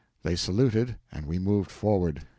They saluted, and we moved forward.